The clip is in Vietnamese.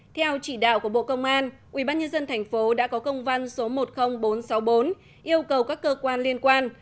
theo chỉ đạo của bộ công an ubnd tp đã có công văn số một mươi nghìn bốn trăm sáu mươi bốn yêu cầu các cơ quan liên quan